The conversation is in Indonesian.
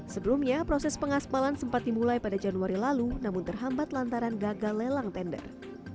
sebelumnya proses pengaspalan sempat dimulai pada januari lalu namun terhambat lantaran gagal lelang tender